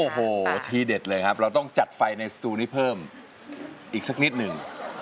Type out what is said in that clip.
โอ้โหทีเด็ดเลยครับเราต้องจัดไฟในสตูนี้เพิ่มอีกสักนิดหนึ่ง